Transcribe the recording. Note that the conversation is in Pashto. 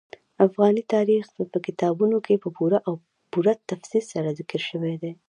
افغاني تاریخ په کتابونو کې په پوره او پوره تفصیل سره ذکر شوی دي.